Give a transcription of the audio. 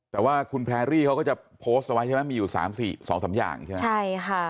แต่ว่าคุณแพรรี่เขาก็จะโพสต์เอาไว้ใช่ไหมมีอยู่สามสี่สองสามอย่างใช่ไหมใช่ค่ะ